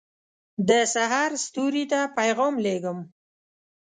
دسحرستوري ته پیغام لېږم